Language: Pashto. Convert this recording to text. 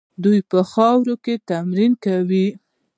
دوی په خاورو کې تمرین کوي.